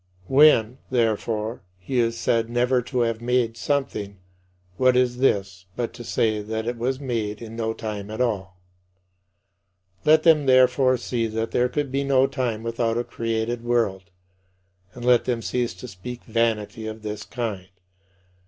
When, therefore, he is said "never to have made" something what is this but to say that it was made in no time at all? Let them therefore see that there could be no time without a created world, and let them cease to speak vanity of this kind.